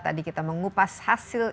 tadi kita mengupas hasil